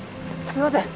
すいません